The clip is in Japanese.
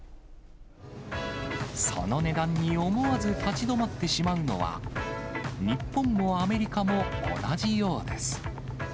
その値段に思わず立ち止まってしまうのは、日本もアメリカも同じようです。